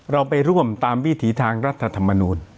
เราไปร่วมตามวิถีทางรัฐธรรมนูล